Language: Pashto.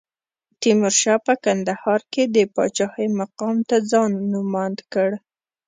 تیمورشاه په کندهار کې د پاچاهۍ مقام ته ځان نوماند کړ.